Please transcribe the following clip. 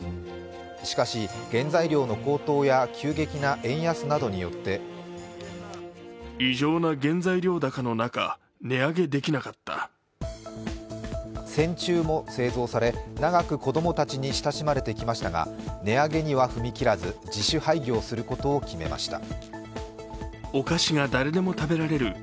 しかし原材料の高騰や急激な円安によって戦中も製造され、長く子供たちに親しまれてきましたが値上げには踏み切らず自主廃業することを決めました。